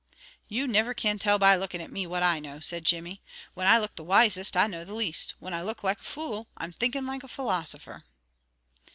"You niver can tell by lookin' at me what I know," said Jimmy. "Whin I look the wisest I know the least. Whin I look like a fool, I'm thinkin' like a philosopher."